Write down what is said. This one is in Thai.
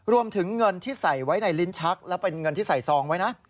รวมถึงเงินที่ใส่ไว้ในลิ้นชักและเป็นเงินที่ใส่ซองไว้นะ